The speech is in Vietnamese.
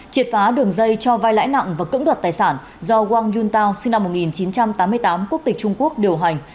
triệt phá đường dây cho vai lãi nặng và cưỡng đoạt tài sản do wang yuntao sinh năm một nghìn chín trăm tám mươi tám quốc tịch trung quốc điều hành